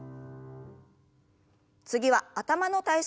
次は頭の体操です。